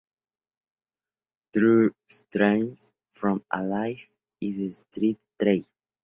True Stories From A Life In The Screen Trade".